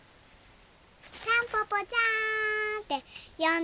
たんぽぽちゃんてよんでね。